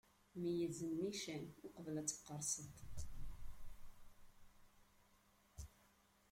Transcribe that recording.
Meyyez nnican, uqbel ad tqerseḍ!